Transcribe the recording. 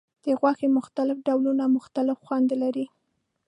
د غوښې مختلف ډولونه مختلف خوند لري.